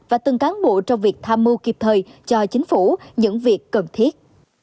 và từng cán bộ trong việc tham mưu kịp thời cho chính phủ những việc cần thiết